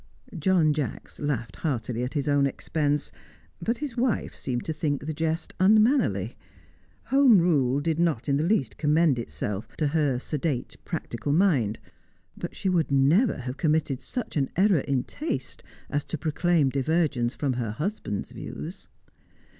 John Jacks laughed heartily at his own expense, but his wife seemed to think the jest unmannerly. Home Rule did not in the least commend itself to her sedate, practical mind, but she would never have committed such an error in taste as to proclaim divergence from her husband's views.